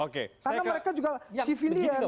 karena mereka juga civilian